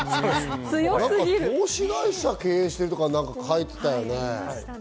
投資会社を経営しているとか書いてあるよね。